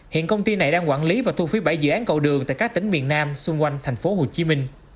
hiện công ty này đang quản lý và thu phí bảy dự án cầu đường tại các tỉnh miền nam xung quanh tp hcm